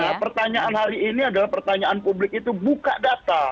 nah pertanyaan hari ini adalah pertanyaan publik itu buka data